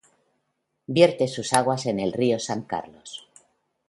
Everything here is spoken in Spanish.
Vierte sus aguas en el río San Carlos.